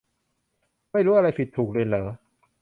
ไม่รู้อะไรผิดถูกเลยเหรอ